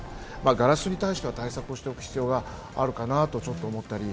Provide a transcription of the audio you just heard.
ガラスに対しては対策をしておく必要があるかなと思ったり。